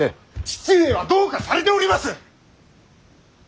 父上はどうかされております！